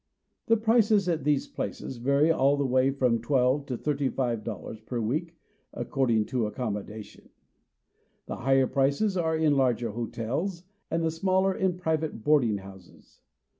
The prices at these places vary all the way from twelve to thirty five dollars per week, according to accommodations. The higher prices are in larger hotels, and the smaller in private boarding houses.